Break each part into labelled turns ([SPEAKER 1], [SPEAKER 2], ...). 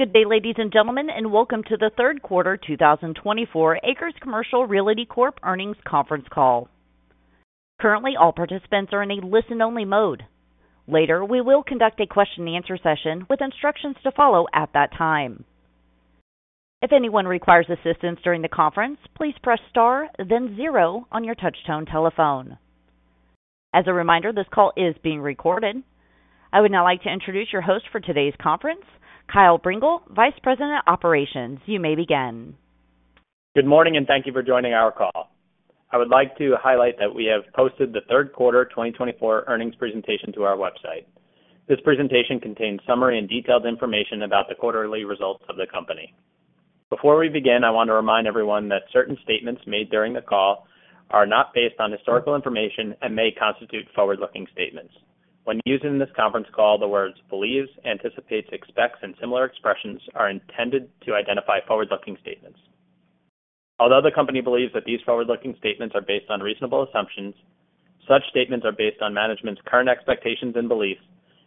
[SPEAKER 1] Good day, ladies and gentlemen, and welcome to the third quarter 2024 ACRES Commercial Realty Corp earnings conference call. Currently, all participants are in a listen-only mode. Later, we will conduct a question-and-answer session with instructions to follow at that time. If anyone requires assistance during the conference, please press star, then zero on your touch-tone telephone. As a reminder, this call is being recorded. I would now like to introduce your host for today's conference, Kyle Brengel, Vice President Operations. You may begin.
[SPEAKER 2] Good morning, and thank you for joining our call. I would like to highlight that we have posted the third quarter 2024 earnings presentation to our website. This presentation contains summary and detailed information about the quarterly results of the company. Before we begin, I want to remind everyone that certain statements made during the call are not based on historical information and may constitute forward-looking statements. When using this conference call, the words "believes," "anticipates," "expects," and similar expressions are intended to identify forward-looking statements. Although the company believes that these forward-looking statements are based on reasonable assumptions, such statements are based on management's current expectations and beliefs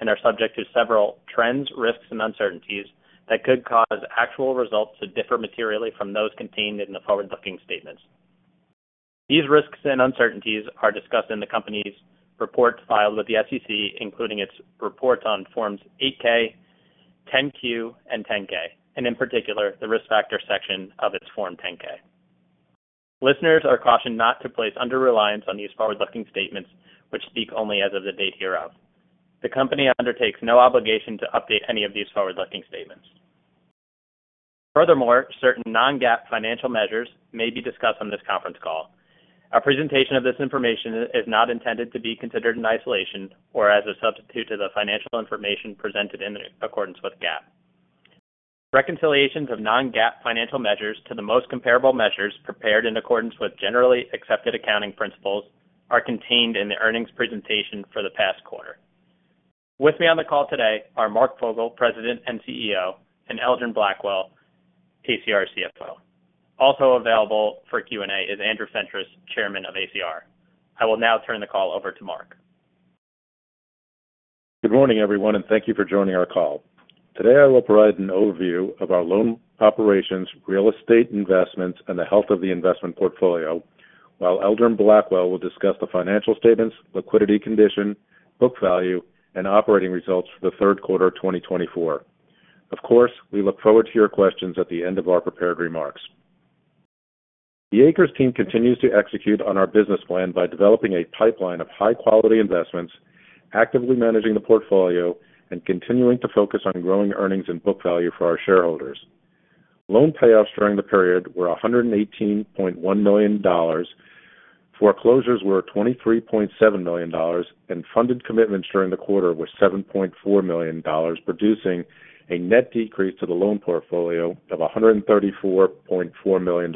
[SPEAKER 2] and are subject to several trends, risks, and uncertainties that could cause actual results to differ materially from those contained in the forward-looking statements. These risks and uncertainties are discussed in the company's reports filed with the SEC, including its reports on Forms 8-K, 10-Q, and 10-K, and in particular, the risk factor section of its Form 10-K. Listeners are cautioned not to place undue reliance on these forward-looking statements, which speak only as of the date hereof. The company undertakes no obligation to update any of these forward-looking statements. Furthermore, certain non-GAAP financial measures may be discussed on this conference call. Our presentation of this information is not intended to be considered in isolation or as a substitute for the financial information presented in accordance with GAAP. Reconciliations of non-GAAP financial measures to the most comparable measures prepared in accordance with generally accepted accounting principles are contained in the earnings presentation for the past quarter. With me on the call today are Mark Fogel, President and CEO, and Eldron Blackwell, ACR CFO. Also available for Q&A is Andrew Fentress, Chairman of ACR. I will now turn the call over to Mark.
[SPEAKER 3] Good morning, everyone, and thank you for joining our call. Today, I will provide an overview of our loan operations, real estate investments, and the health of the investment portfolio, while Eldron Blackwell will discuss the financial statements, liquidity condition, book value, and operating results for the third quarter 2024. Of course, we look forward to your questions at the end of our prepared remarks. The Acres team continues to execute on our business plan by developing a pipeline of high-quality investments, actively managing the portfolio, and continuing to focus on growing earnings and book value for our shareholders. Loan payoffs during the period were $118.1 million, foreclosures were $23.7 million, and funded commitments during the quarter were $7.4 million, producing a net decrease to the loan portfolio of $134.4 million.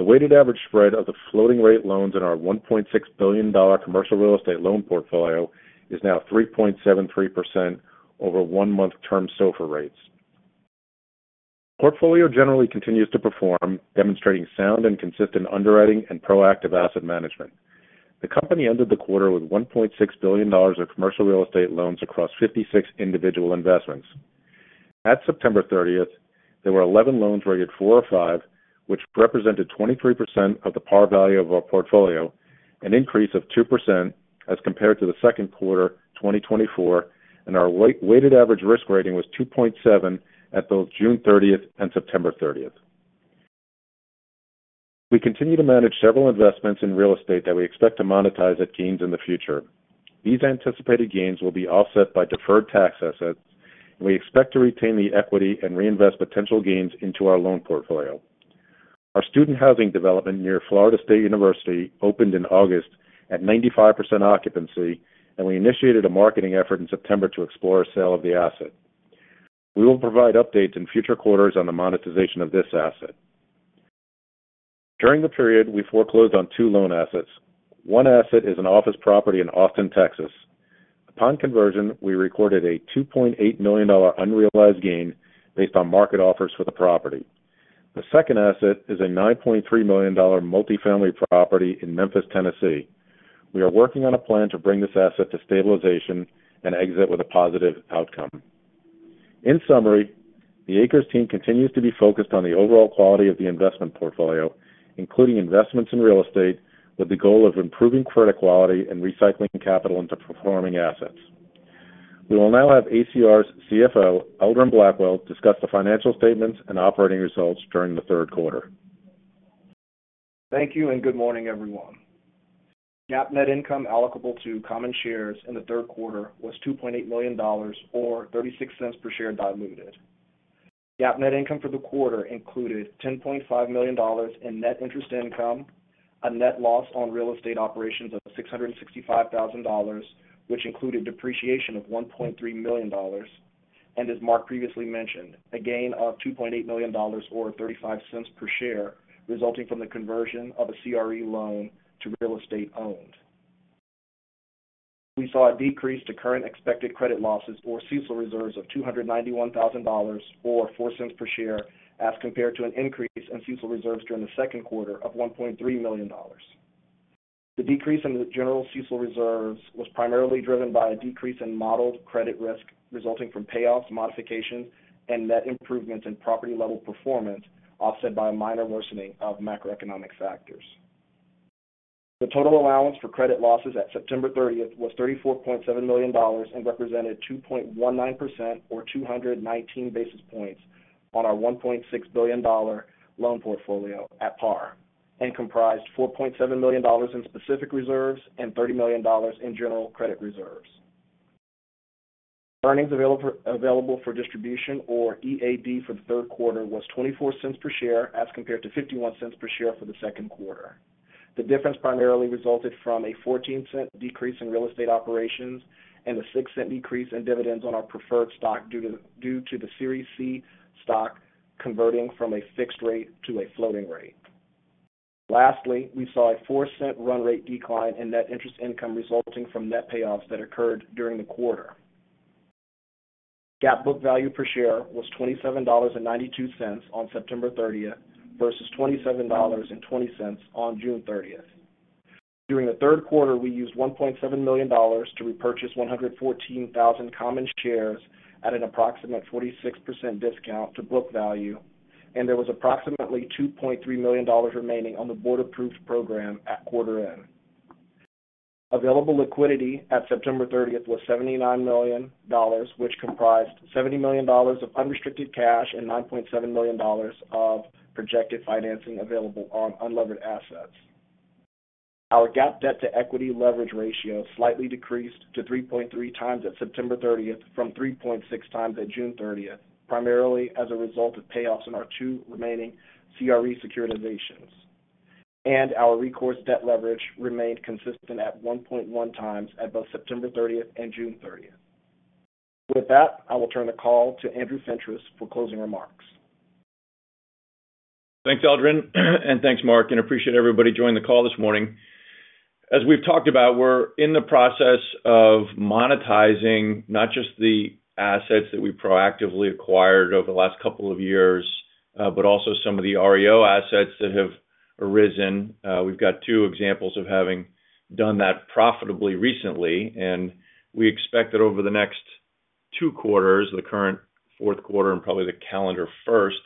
[SPEAKER 3] The weighted average spread of the floating-rate loans in our $1.6 billion commercial real estate loan portfolio is now 3.73% over one-month term SOFR rates. The portfolio generally continues to perform, demonstrating sound and consistent underwriting and proactive asset management. The company ended the quarter with $1.6 billion of commercial real estate loans across 56 individual investments. At September 30th, there were 11 loans rated 4 or 5, which represented 23% of the par value of our portfolio, an increase of 2% as compared to the second quarter 2024, and our weighted average risk rating was 2.7 at both June 30th and September 30th. We continue to manage several investments in real estate that we expect to monetize at gains in the future. These anticipated gains will be offset by deferred tax assets, and we expect to retain the equity and reinvest potential gains into our loan portfolio. Our student housing development near Florida State University opened in August at 95% occupancy, and we initiated a marketing effort in September to explore a sale of the asset. We will provide updates in future quarters on the monetization of this asset. During the period, we foreclosed on two loan assets. One asset is an office property in Austin, Texas. Upon conversion, we recorded a $2.8 million unrealized gain based on market offers for the property. The second asset is a $9.3 million multifamily property in Memphis, Tennessee. We are working on a plan to bring this asset to stabilization and exit with a positive outcome. In summary, the Acres team continues to be focused on the overall quality of the investment portfolio, including investments in real estate, with the goal of improving credit quality and recycling capital into performing assets. We will now have ACR's CFO, Eldron Blackwell, discuss the financial statements and operating results during the third quarter.
[SPEAKER 4] Thank you, and good morning, everyone. GAAP net income allocable to common shares in the third quarter was $2.8 million or $0.36 per share diluted. GAAP net income for the quarter included $10.5 million in net interest income, a net loss on real estate operations of $665,000, which included depreciation of $1.3 million, and, as Mark previously mentioned, a gain of $2.8 million or $0.35 per share resulting from the conversion of a CRE loan to real estate owned. We saw a decrease to current expected credit losses or CECL reserves of $291,000 or $0.04 per share as compared to an increase in CECL reserves during the second quarter of $1.3 million. The decrease in the general CECL reserves was primarily driven by a decrease in modeled credit risk resulting from payoffs, modifications, and net improvements in property-level performance offset by a minor worsening of macroeconomic factors. The total allowance for credit losses at September 30th was $34.7 million and represented 2.19% or 219 basis points on our $1.6 billion loan portfolio at par and comprised $4.7 million in specific reserves and $30 million in general credit reserves. Earnings available for distribution or EAD for the third quarter was $0.24 per share as compared to $0.51 per share for the second quarter. The difference primarily resulted from a $0.14 decrease in real estate operations and a $0.06 decrease in dividends on our preferred stock due to the Series C stock converting from a fixed rate to a floating rate. Lastly, we saw a $0.04 run rate decline in net interest income resulting from net payoffs that occurred during the quarter. GAAP book value per share was $27.92 on September 30th versus $27.20 on June 30th. During the third quarter, we used $1.7 million to repurchase 114,000 common shares at an approximate 46% discount to book value, and there was approximately $2.3 million remaining on the board-approved program at quarter end. Available liquidity at September 30th was $79 million, which comprised $70 million of unrestricted cash and $9.7 million of projected financing available on unlevered assets. Our GAAP debt-to-equity leverage ratio slightly decreased to 3.3x at September 30th from 3.6x at June 30th, primarily as a result of payoffs in our two remaining CRE securitizations, and our recourse debt leverage remained consistent at 1.1x at both September 30th and June 30th. With that, I will turn the call to Andrew Fentress for closing remarks.
[SPEAKER 5] Thanks, Eldron, and thanks, Mark. And I appreciate everybody joining the call this morning. As we've talked about, we're in the process of monetizing not just the assets that we proactively acquired over the last couple of years, but also some of the REO assets that have arisen. We've got two examples of having done that profitably recently, and we expect that over the next two quarters, the current fourth quarter and probably the calendar first,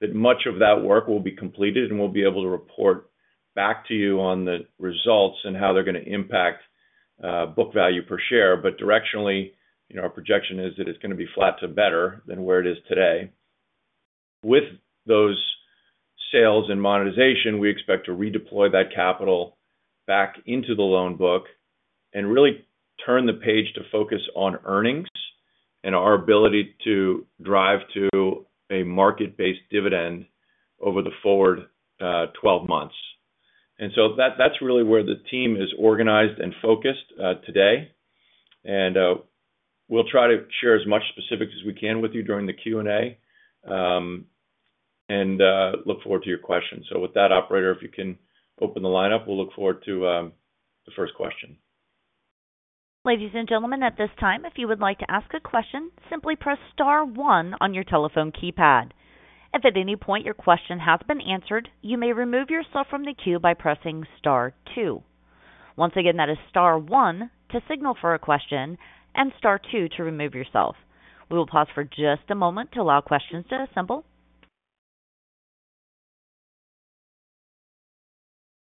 [SPEAKER 5] that much of that work will be completed and we'll be able to report back to you on the results and how they're going to impact book value per share. But directionally, our projection is that it's going to be flat to better than where it is today. With those sales and monetization, we expect to redeploy that capital back into the loan book and really turn the page to focus on earnings and our ability to drive to a market-based dividend over the forward 12 months. And so that's really where the team is organized and focused today. And we'll try to share as much specifics as we can with you during the Q&A and look forward to your questions. So with that, Operator, if you can open the lineup, we'll look forward to the first question.
[SPEAKER 1] Ladies and gentlemen, at this time, if you would like to ask a question, simply press star one on your telephone keypad. If at any point your question has been answered, you may remove yourself from the queue by pressing star two. Once again, that is star one to signal for a question and star two to remove yourself. We will pause for just a moment to allow questions to assemble.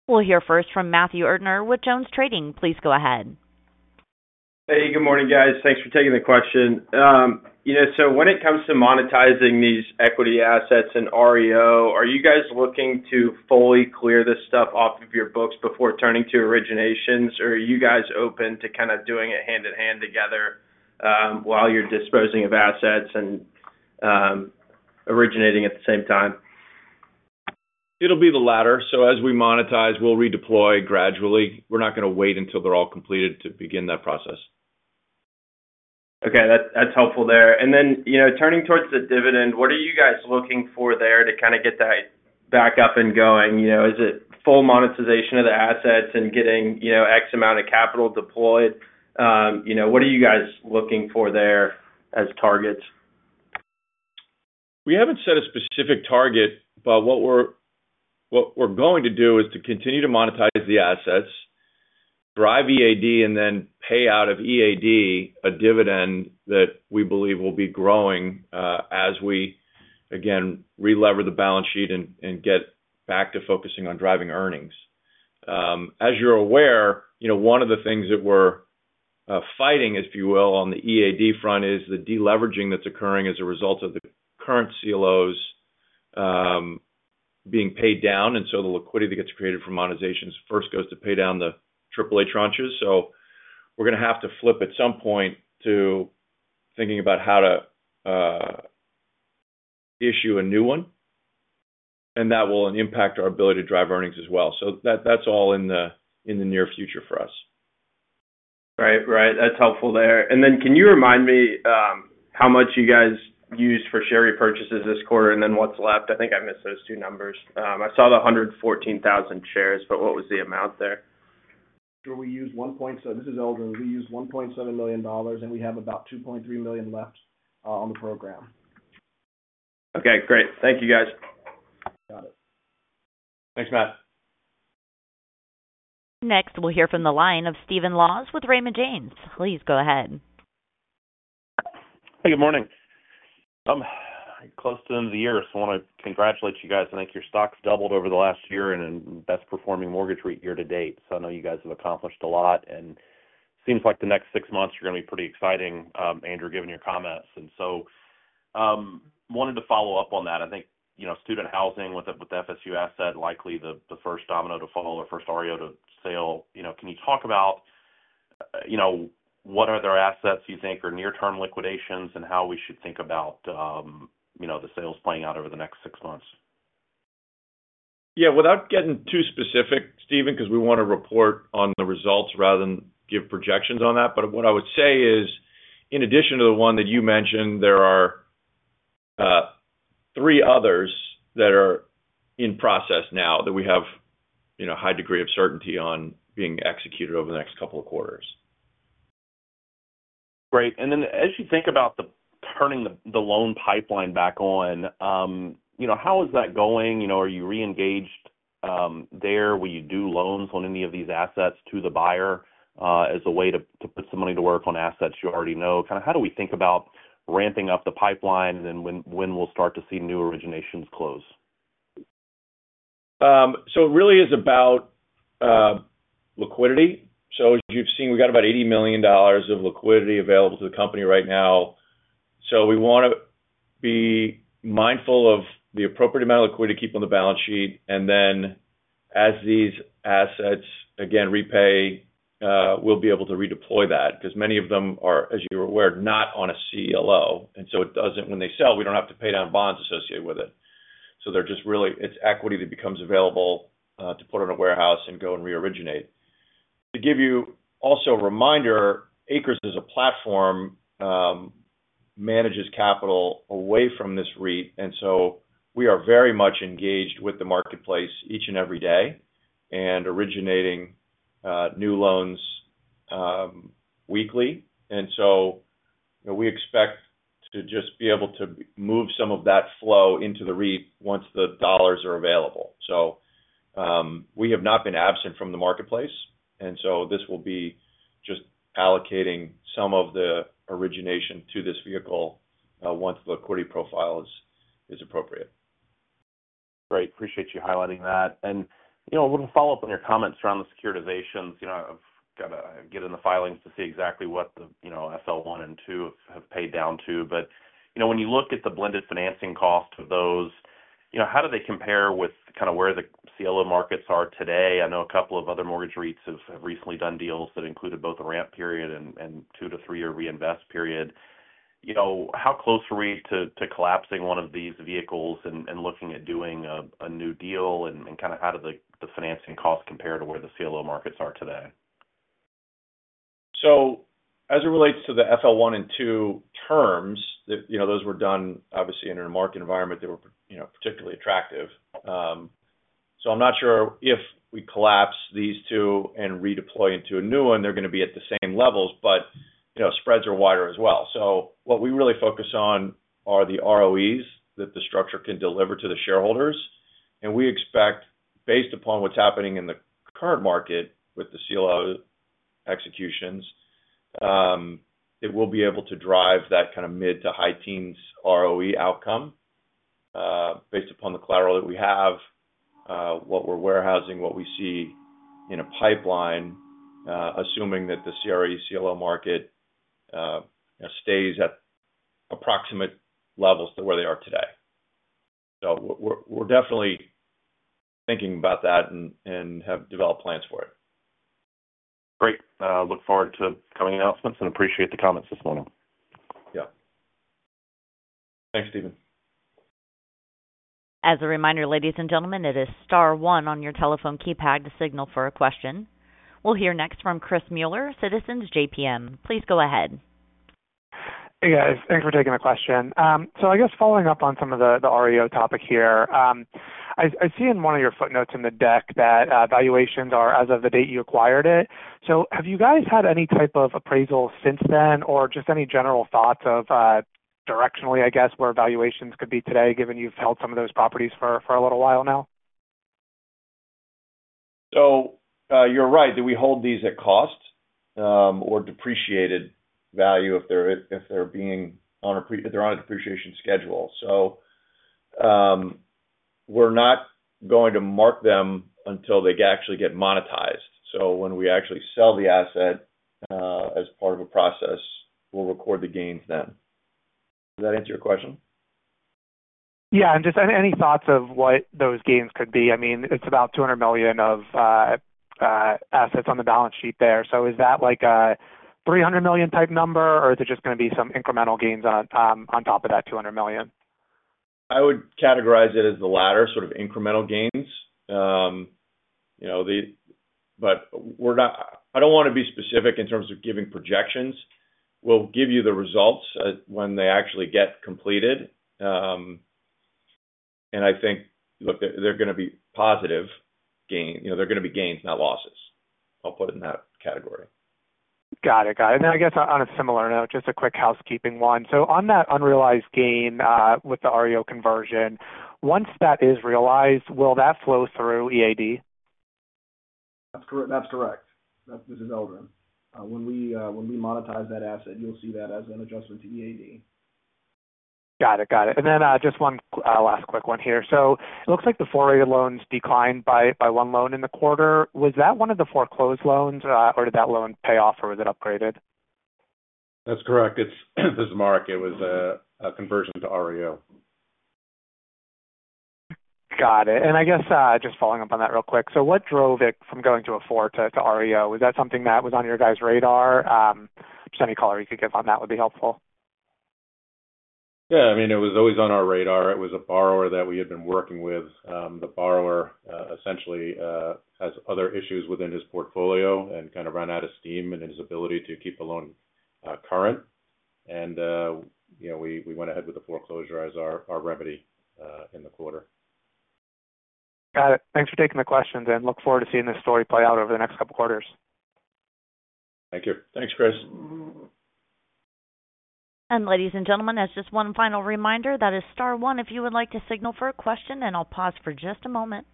[SPEAKER 1] We'll hear first from Matthew Erdner with Jones Trading. Please go ahead.
[SPEAKER 6] Hey, good morning, guys. Thanks for taking the question. So when it comes to monetizing these equity assets and REO, are you guys looking to fully clear this stuff off of your books before turning to originations, or are you guys open to kind of doing it hand in hand together while you're disposing of assets and originating at the same time?
[SPEAKER 5] It'll be the latter. So as we monetize, we'll redeploy gradually. We're not going to wait until they're all completed to begin that process.
[SPEAKER 6] Okay. That's helpful there and then turning towards the dividend, what are you guys looking for there to kind of get that back up and going? Is it full monetization of the assets and getting X amount of capital deployed? What are you guys looking for there as targets?
[SPEAKER 5] We haven't set a specific target, but what we're going to do is to continue to monetize the assets, drive EAD, and then pay out of EAD a dividend that we believe will be growing as we, again, re-lever the balance sheet and get back to focusing on driving earnings. As you're aware, one of the things that we're fighting, if you will, on the EAD front is the deleveraging that's occurring as a result of the current CLOs being paid down, and so the liquidity that gets created from monetizations first goes to pay down the AAA tranches. So we're going to have to flip at some point to thinking about how to issue a new one, and that will impact our ability to drive earnings as well, so that's all in the near future for us.
[SPEAKER 6] Right. Right. That's helpful there. And then can you remind me how much you guys used for share repurchases this quarter and then what's left? I think I missed those two numbers. I saw the 114,000 shares, but what was the amount there?
[SPEAKER 4] Sure. We used $1.7 million. This is Eldron. We used $1.7 million, and we have about $2.3 million left on the program.
[SPEAKER 6] Okay. Great. Thank you, guys.
[SPEAKER 4] Got it.
[SPEAKER 5] Thanks, Matt.
[SPEAKER 1] Next, we'll hear from the line of Stephen Laws with Raymond James. Please go ahead.
[SPEAKER 7] Hey, good morning. I'm close to the end of the year, so I want to congratulate you guys. I think your stock's doubled over the last year in best-performing mortgage REIT year to date. So I know you guys have accomplished a lot, and it seems like the next six months are going to be pretty exciting, Andrew, given your comments. And so I wanted to follow up on that. I think student housing with the FSU asset, likely the first domino to fall or first REO to sell. Can you talk about what other assets you think are near-term liquidations and how we should think about the sales playing out over the next six months?
[SPEAKER 5] Yeah. Without getting too specific, Stephen, because we want to report on the results rather than give projections on that, but what I would say is, in addition to the one that you mentioned, there are three others that are in process now that we have a high degree of certainty on being executed over the next couple of quarters.
[SPEAKER 7] Great. And then as you think about turning the loan pipeline back on, how is that going? Are you re-engaged there? Will you do loans on any of these assets to the buyer as a way to put some money to work on assets you already know? Kind of how do we think about ramping up the pipeline and when we'll start to see new originations close?
[SPEAKER 5] So it really is about liquidity. So as you've seen, we've got about $80 million of liquidity available to the company right now. So we want to be mindful of the appropriate amount of liquidity to keep on the balance sheet. And then as these assets, again, repay, we'll be able to redeploy that because many of them are, as you're aware, not on a CLO. And so when they sell, we don't have to pay down bonds associated with it. So it's equity that becomes available to put on a warehouse and go and reoriginate. To give you also a reminder, Acres as a platform manages capital away from this REIT. And so we are very much engaged with the marketplace each and every day and originating new loans weekly. And so we expect to just be able to move some of that flow into the REIT once the dollars are available. So we have not been absent from the marketplace. And so this will be just allocating some of the origination to this vehicle once the liquidity profile is appropriate.
[SPEAKER 7] Great. Appreciate you highlighting that. And a little follow-up on your comments around the securitizations. I've got to get in the filings to see exactly what the FL1 and FL2 have paid down to. But when you look at the blended financing cost of those, how do they compare with kind of where the CLO markets are today? I know a couple of other mortgage REITs have recently done deals that included both a ramp period and two- to three-year reinvest period. How close are we to collapsing one of these vehicles and looking at doing a new deal and kind of how do the financing costs compare to where the CLO markets are today?
[SPEAKER 5] So as it relates to the FL1 and FL2 terms, those were done obviously in a market environment that were particularly attractive. So I'm not sure if we collapse these two and redeploy into a new one, they're going to be at the same levels, but spreads are wider as well. So what we really focus on are the ROEs that the structure can deliver to the shareholders. And we expect, based upon what's happening in the current market with the CLO executions, it will be able to drive that kind of mid- to high-teens ROE outcome based upon the collateral that we have, what we're warehousing, what we see in a pipeline, assuming that the CRE CLO market stays at approximate levels to where they are today. So we're definitely thinking about that and have developed plans for it.
[SPEAKER 7] Great. Look forward to coming announcements and appreciate the comments this morning.
[SPEAKER 5] Yeah. Thanks, Stephen.
[SPEAKER 1] As a reminder, ladies and gentlemen, it is star one on your telephone keypad to signal for a question. We'll hear next from Chris Muller, Citizens JMP. Please go ahead.
[SPEAKER 8] Hey, guys. Thanks for taking the question. So I guess following up on some of the REO topic here, I see in one of your footnotes in the deck that valuations are as of the date you acquired it. So have you guys had any type of appraisal since then or just any general thoughts of directionally, I guess, where valuations could be today given you've held some of those properties for a little while now?
[SPEAKER 5] So you're right that we hold these at cost or depreciated value if they're being on a depreciation schedule. So we're not going to mark them until they actually get monetized. So when we actually sell the asset as part of a process, we'll record the gains then. Does that answer your question?
[SPEAKER 7] Yeah. And just any thoughts of what those gains could be? I mean, it's about $200 million of assets on the balance sheet there. So is that like a $300 million type number, or is it just going to be some incremental gains on top of that $200 million?
[SPEAKER 5] I would categorize it as the latter, sort of incremental gains. But I don't want to be specific in terms of giving projections. We'll give you the results when they actually get completed, and I think they're going to be positive gains. They're going to be gains, not losses. I'll put it in that category.
[SPEAKER 7] Got it. Got it. And I guess on a similar note, just a quick housekeeping one. So on that unrealized gain with the REO conversion, once that is realized, will that flow through EAD?
[SPEAKER 4] That's correct. This is Eldron. When we monetize that asset, you'll see that as an adjustment to EAD.
[SPEAKER 7] Got it. Got it. And then just one last quick one here. So it looks like the 4-year loans declined by one loan in the quarter. Was that one of the foreclosed loans, or did that loan pay off, or was it upgraded?
[SPEAKER 5] That's correct. This market was a conversion to REO.
[SPEAKER 7] Got it. And I guess just following up on that real quick, so what drove it from going to a four to REO? Was that something that was on your guys' radar? Just any color you could give on that would be helpful.
[SPEAKER 5] Yeah. I mean, it was always on our radar. It was a borrower that we had been working with. The borrower essentially has other issues within his portfolio and kind of ran out of steam and his ability to keep the loan current, and we went ahead with the foreclosure as our remedy in the quarter.
[SPEAKER 9] Got it. Thanks for taking the questions, and look forward to seeing this story play out over the next couple of quarters.
[SPEAKER 5] Thank you. Thanks, Chris.
[SPEAKER 1] Ladies and gentlemen, that's just one final reminder. That is star one. If you would like to signal for a question, and I'll pause for just a moment.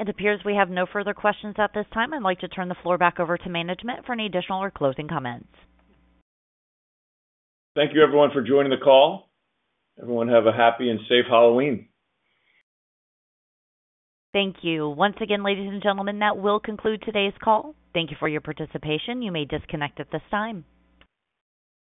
[SPEAKER 1] It appears we have no further questions at this time. I'd like to turn the floor back over to management for any additional or closing comments.
[SPEAKER 5] Thank you, everyone, for joining the call. Everyone have a happy and safe Halloween.
[SPEAKER 1] Thank you. Once again, ladies and gentlemen, that will conclude today's call. Thank you for your participation. You may disconnect at this time.